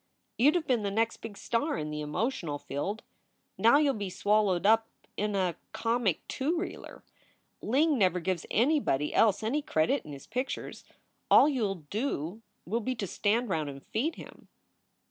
You d have been the next big star in the emotional field. Now you ll be swallowed up in a comic two reeler. Ling never gives anybody else any credit in his pictures. All you ll do will be to stand round and feed him."